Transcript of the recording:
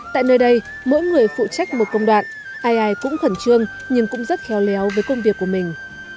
tại nơi đây mỗi người phụ trách một công đoạn ai ai cũng khẩn trương nhưng cũng rất khéo léo với công việc của mình